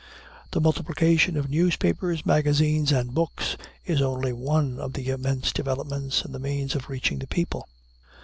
The multiplication of newspapers, magazines, and books is only one of the immense developments in the means of reaching the people.